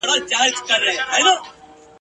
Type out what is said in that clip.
په وفا به مو سوګند وي یو د بل په مینه ژوند وي !.